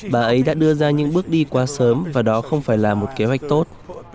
bà ấy đã đưa ra những bước đi quá sớm và đó không phải là một kế hoạch tốt